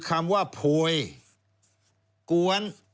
คำว่าโพยกวน